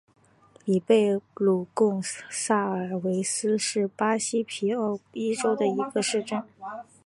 里贝鲁贡萨尔维斯是巴西皮奥伊州的一个市镇。